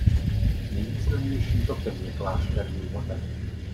Nejvýznamnějším tokem je Klášterní voda.